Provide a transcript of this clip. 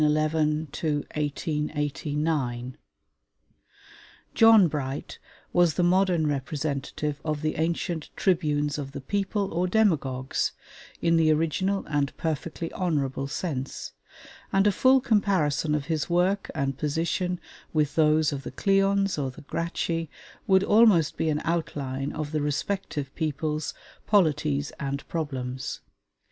JOHN BRIGHT (1811 1889) John Bright was the modern representative of the ancient Tribunes of the people or Demagogues (in the original and perfectly honorable sense); and a full comparison of his work and position with those of the Cleons or the Gracchi would almost be an outline of the respective peoples, polities, and problems.